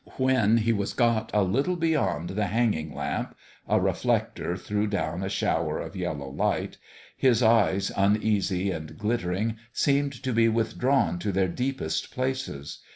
When he was got a little beyond the hanging lamp a re flector threw down a shower of yellow light his eyes, uneasy and glittering, seemed to be with drawn to their deepest places.